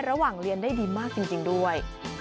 ระหว่างเรียนได้ดีมากจริงด้วย